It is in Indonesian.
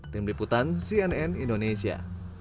tim liputan cnn indonesia